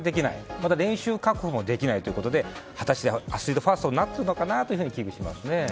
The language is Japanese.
そして練習確保もできないということで果たしてアスリートファーストになっているのか危惧します。